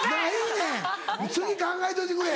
次考えといてくれ。